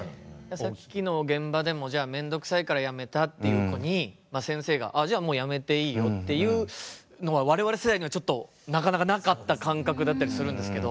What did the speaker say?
さっきの現場でもめんどくさいからやめたっていう子に、先生が、じゃあもうやめていいよっていうのは我々世代には、なかなかなかった感覚だったりするんですけど。